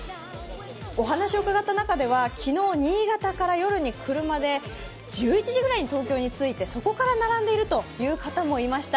お話を伺った中には昨日、新潟から車で１１時くらいに東京に着いて、そこから並んでいるという方もいました。